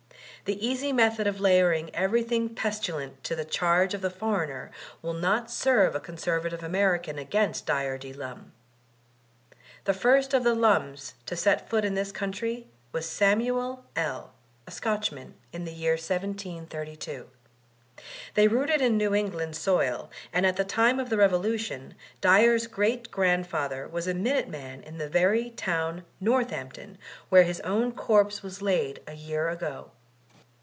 The easy method of laying everything pestilent to the charge of the foreigner, will not serve a conservative Ameri can against Dyer D. Lum. The first of the Lums to set foot in this country was Samuel L., a Scotchman, in the year 1732. They rooted in New England soil, and at the time of the Revolution, Dyer's great grandfather was a minute man in the very town, Northampton, where his own corpse was laid a year ago.